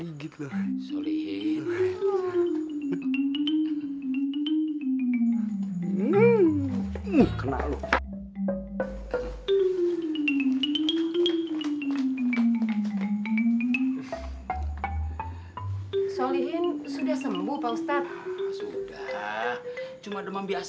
enggak saya yang kekenyangan